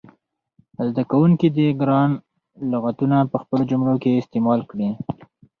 زده کوونکي دې ګران لغتونه په جملو کې استعمال کړي.